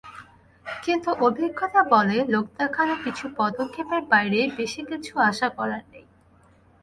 কিন্তু অভিজ্ঞতা বলে, লোক-দেখানো কিছু পদক্ষেপের বাইরে বেশি কিছু আশা করার নেই।